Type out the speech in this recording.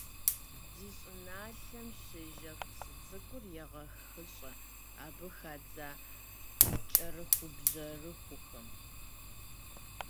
Ди щӏыналъэм щежэх псы цӀыкӀухэр егъэхыщӀэ абы хадзэ кӀэрыхубжьэрыхухэм.